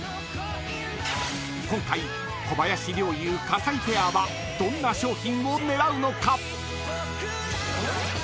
［今回小林陵侑葛西ペアはどんな商品を狙うのか？］